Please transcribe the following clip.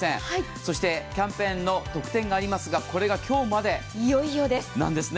そしてキャンペーンの特典がありますがこれが今日までなんですね。